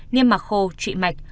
niêm mặt khô trị mạch